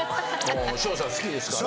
翔さん好きですからね。